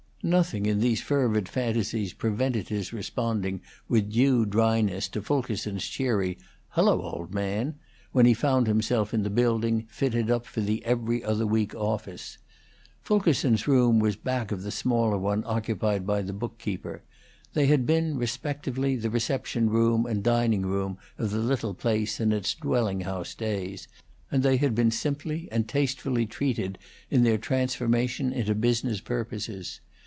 Nothing in these fervid fantasies prevented his responding with due dryness to Fulkerson's cheery "Hello, old man!" when he found himself in the building fitted up for the 'Every Other Week' office. Fulkerson's room was back of the smaller one occupied by the bookkeeper; they had been respectively the reception room and dining room of the little place in its dwelling house days, and they had been simply and tastefully treated in their transformation into business purposes.